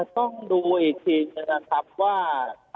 ต้องดูอีกทีนะครับว่า